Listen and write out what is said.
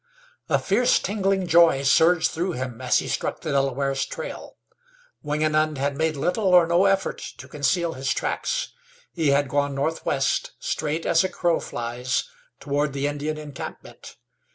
A fierce, tingling joy surged through him as he struck the Delaware's trail. Wingenund had made little or no effort to conceal his tracks; he had gone northwest, straight as a crow flies, toward the Indian encampment.